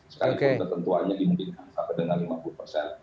sekali kali tertentuannya dimudikan sampai dengan lima puluh persen